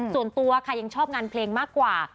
ส่วนตัวค่ะยังชอบงานเพลงมากกว่า